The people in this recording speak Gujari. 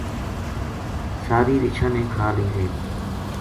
ساری رچھاں نے کھا لئی وھے گی